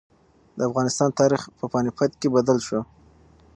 د افغانستان تاریخ په پاني پت کې بدل شو.